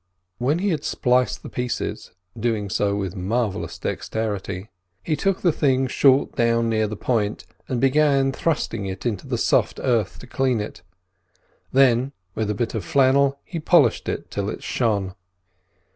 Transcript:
When he had spliced the pieces, doing so with marvellous dexterity, he took the thing short down near the point, and began thrusting it into the soft earth to clean it; then, with a bit of flannel, he polished it till it shone.